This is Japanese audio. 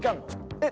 えっ？